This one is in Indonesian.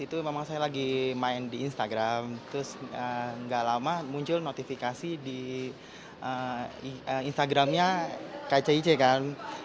itu memang saya lagi main di instagram terus gak lama muncul notifikasi di instagramnya kcic kan